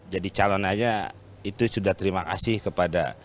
jadi calon aja itu sudah terima kasih kepada